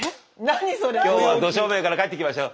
今日はど正面から帰ってきましたよ。